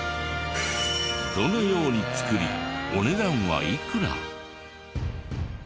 どのように作りお値段はいくら？